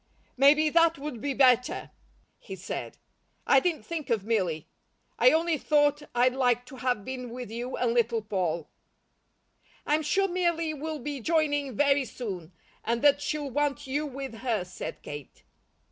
"Maybe that would be better," he said. "I didn't think of Milly. I only thought I'd like to have been with you and Little Poll." "I'm sure Milly will be joining very soon, and that she'll want you with her," said Kate.